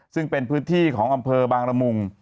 ซึ่งเป็นพื้นที่ของอำเภอบางละมุง